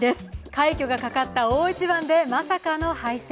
快挙がかかった大一番でまさかの敗戦。